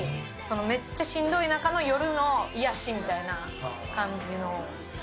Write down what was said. めっちゃしんどい中の夜の癒やしみたいな感じの。